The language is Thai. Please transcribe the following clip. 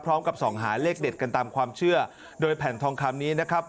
พร้อมกับส่องหาเลขเด็ดกันตามความเชื่อโดยแผ่นทองคำนี้นะครับ